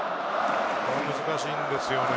難しいんですよね。